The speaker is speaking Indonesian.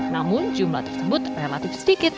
namun jumlah tersebut relatif sedikit